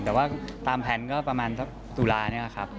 แต่ว่าตามแผนก็ประมาณสักตุลานี่แหละครับ